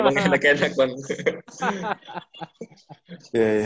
emang enak enak banget